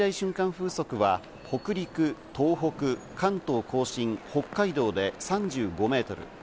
風速は北陸、東北、関東甲信、北海道で３５メートル。